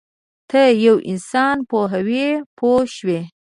ته یو انسان پوهوې پوه شوې!.